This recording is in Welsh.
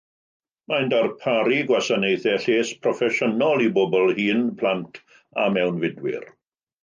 Mae'n darparu gwasanaethau lles proffesiynol i bobl hŷn, plant a mewnfudwyr.